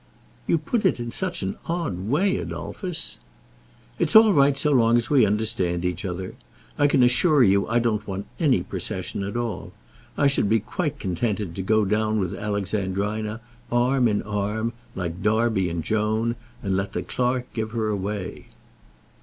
"You put it in such an odd way, Adolphus." "It's all right so long as we understand each other. I can assure you I don't want any procession at all. I should be quite contented to go down with Alexandrina, arm in arm, like Darby and Joan, and let the clerk give her away."